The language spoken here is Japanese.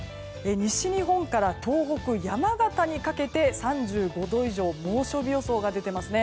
西日本から東北・山形にかけて３５度以上、猛暑日予想が出ていますね。